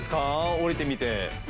下りてみて。